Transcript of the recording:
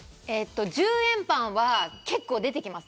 １０円パンは結構出てきます。